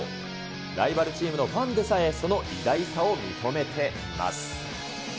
ライバルチームのファンでさえ、その偉大さを認めています。